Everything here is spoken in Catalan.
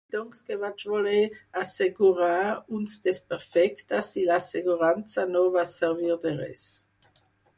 Doncs que vaig voler assegurar uns desperfectes i l'assegurança no va servir de res.